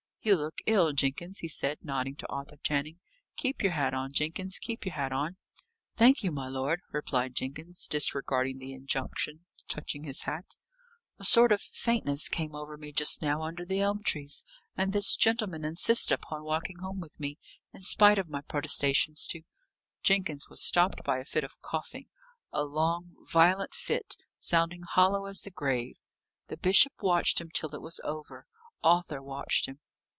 "You look ill, Jenkins," he said, nodding to Arthur Channing. "Keep your hat on, Jenkins keep your hat on." "Thank you, my lord," replied Jenkins, disregarding the injunction touching his hat. "A sort of faintness came over me just now under the elm trees, and this gentleman insisted upon walking home with me, in spite of my protestations to " Jenkins was stopped by a fit of coughing a long, violent fit, sounding hollow as the grave. The bishop watched him till it was over. Arthur watched him.